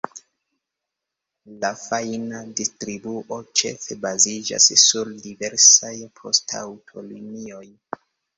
La fajna distribuo ĉefe baziĝas sur diversaj poŝtaŭtolinioj.